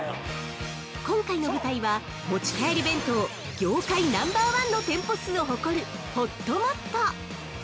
◆今回の舞台は、持ち帰り弁当業界ナンバーワンの店舗数を誇る「ほっともっと」！